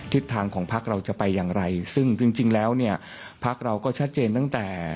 ทิศทางของพักเราจะไปอย่างไรซึ่งจริงแล้วเนี่ยพักเราก็ชัดเจนตั้งแต่